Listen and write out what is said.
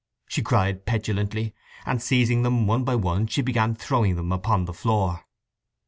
she cried petulantly; and seizing them one by one she began throwing them upon the floor.